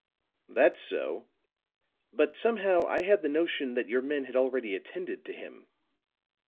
"That's so. But, somehow, I had the notion that your men had already attended to him."